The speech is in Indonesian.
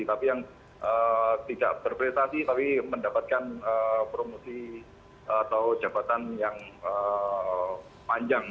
tapi yang tidak berprestasi tapi mendapatkan promosi atau jabatan yang panjang